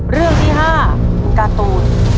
เรื่องที่๕การ์ตูน